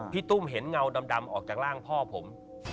ตุ้มเห็นเงาดำออกจากร่างพ่อผม